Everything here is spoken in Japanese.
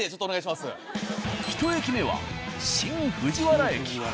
１駅目は新藤原駅。